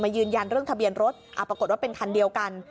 ยืนยันเรื่องทะเบียนรถปรากฏว่าเป็นคันเดียวกัน